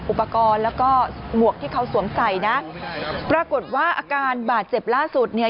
อุปกรณ์แล้วก็หมวกที่เขาสวมใส่นะปรากฏว่าอาการบาดเจ็บล่าสุดเนี่ย